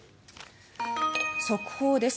速報です。